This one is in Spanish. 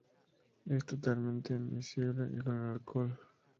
Es totalmente miscible con el alcohol.